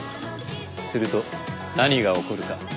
すると何が起こるか。